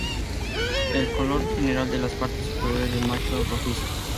El color general de las partes superiores del macho es rojizo.